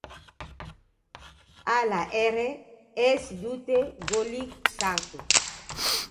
Hala ere ez dute golik sartu.